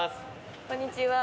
こんにちは。